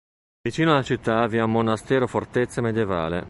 Vicino alla città vi è un monastero-fortezza medievale.